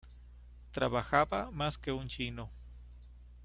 Trabajaba más que un chino